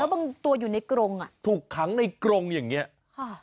บางตัวอยู่ในกรงอ่ะถูกขังในกรงอย่างเงี้ยค่ะ